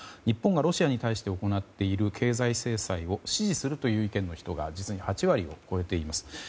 日本がロシアに対して行っている経済制裁を支持するという意見の人が８割を超えています。